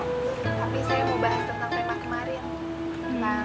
tapi saya mau bahas tentang tema kemarin tentang